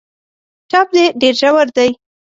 ټپ دي ډېر ژور دی .